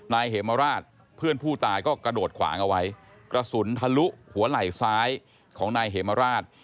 นายเหมราชเพื่อนผู้ตายก็กระโดดขวางเอาไว้กระสุนทะลุหัวไหล่ซ้ายของนายเหมราช